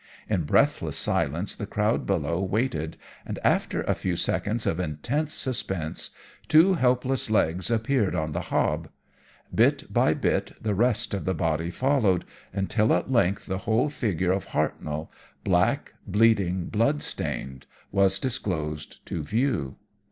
In breathless silence the crowd below waited, and, after a few seconds of intense suspense, two helpless legs appeared on the hob. Bit by bit, the rest of the body followed, until, at length, the whole figure of Hartnoll, black, bleeding, bloodstained, was disclosed to view.